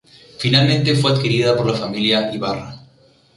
Finalmente fue adquirida por la familia Ybarra.